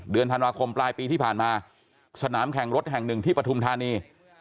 เดือนธันวาคมปลายปีที่ผ่านมาสนามแข่งรถแห่งหนึ่งที่ปฐุมธานี